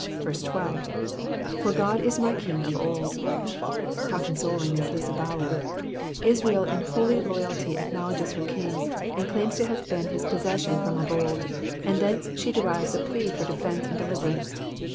12. "''Far Ood is my King of old/'^ How consoling is this avowal ! Israel in holy loyalty acknowledges her King, and claims to have been his possession from of old, and thence she derives a plea for defence and deliverance.